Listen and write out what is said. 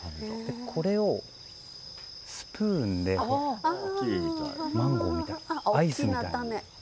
これをスプーンでマンゴーみたいにアイスみたいな。